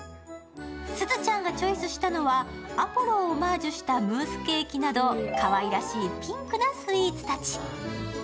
すずちゃんがチョイスしたのはアポロをオマージュしたムースケーキなど、かわいらしいピンクなスイーツたち。